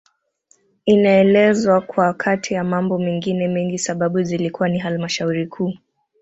Inaelezwa kuwa kati ya mambo mengine mengi sababu zilikuwa ni halmashauri Kuu